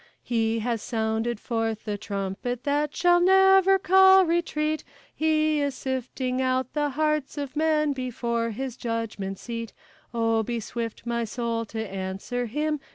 He has sounded forth the trumpet that shall never call retreat; He is sifting out the hearts of men before his judgment seat; O, be swift, my soul, to answer Him!